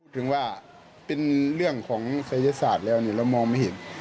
ถึงว่าเป็นเรื่องของศัยศาสตร์แล้วเรามองไม่เห็น